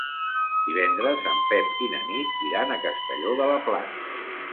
Divendres en Pep i na Nit iran a Castelló de la Plana.